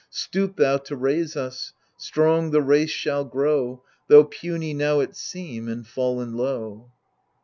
Stoop thou to raise us I strong the race shall grow, Though puny now it seem, and fallen low.